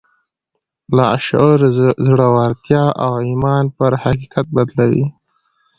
لاشعور زړورتيا او ايمان پر حقيقت بدلوي.